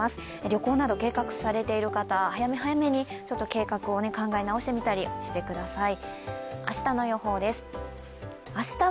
旅行など計画されている方、早め早めに計画を考え直してみたりしてください。